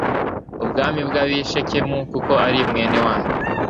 umwami w ab i Shekemu kuko ari mwene wanyu